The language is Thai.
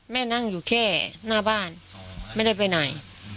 นั่งอยู่แค่หน้าบ้านไม่ได้ไปไหน